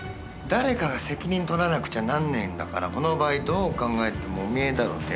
誰かが責任取らなくちゃなんねえんだからこの場合どう考えてもお前だろ。